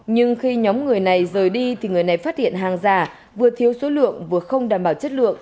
nhưng khi nhóm người này rời đi thì người này phát hiện hàng giả vừa thiếu số lượng vừa không đảm bảo chất lượng